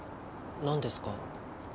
何ですか？